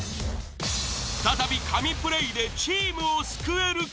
再び神プレイでチームを救えるか？